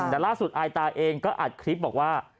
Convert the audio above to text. แต่ล่าสุดอายตาเองก็อัดคลิปบอกว่า